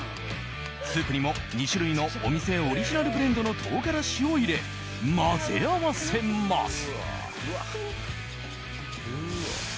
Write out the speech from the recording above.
スープにも２種類のお店オリジナルブレンドの唐辛子を入れ、混ぜ合わせます。